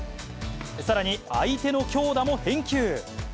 さらに相手の強打も返球。